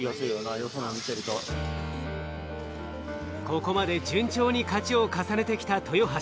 ここまで順調に勝ちを重ねてきた豊橋。